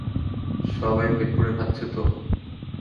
সবাই পেট পুরে খাচ্ছে তো?